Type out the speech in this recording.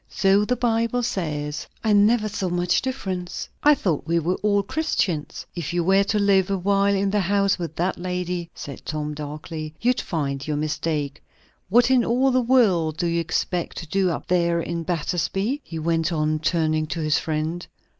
"So the Bible says." "I never saw much difference. I thought we were all Christians." "If you were to live a while in the house with that lady," said Tom darkly, "you'd find your mistake. What in all the world do you expect to do up there at Battersby?" he went on, turning to his friend.